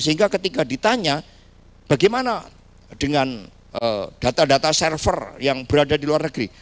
sehingga ketika ditanya bagaimana dengan data data server yang berada di luar negeri